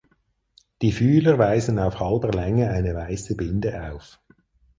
Die Fühler weisen auf halber Länge eine weiße Binde auf.